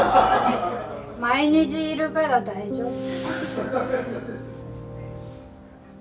毎日いるから大丈夫。